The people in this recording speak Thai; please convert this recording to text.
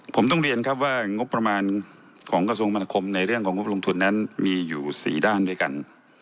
ผมต้องเรียนครับว่างบประมาณของกระทรวงมนาคมในเรื่องของงบลงทุนนั้นมีอยู่๔ด้านด้วยกัน